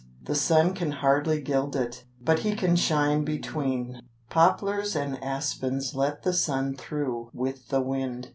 The sun can hardly gild it; but he can shine between. Poplars and aspens let the sun through with the wind.